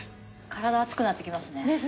体熱くなってきますね。